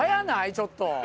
ちょっと。